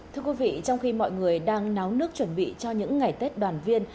thưa quý vị trong khi mọi người đang náo nước chuẩn bị cho những ngày tết đoàn viên